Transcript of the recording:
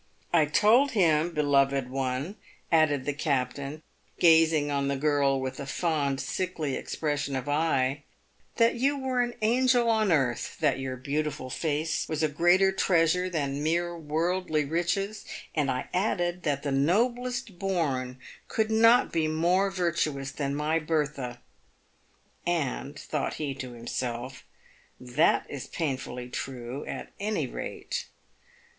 " I told him, beloved one," added the captain, gazing on the girl with a fond, sickly expression of eye, " that you were an angel on earth ; that your beautiful face was a greater treasure than mere worldly riches ; and I added that the noblest born could not be more virtuous than my Bertha" (and, thought he to himself, " That is painfully true at any rate").